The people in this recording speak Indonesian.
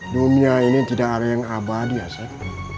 dunia ini tidak ada yang abadi ya saya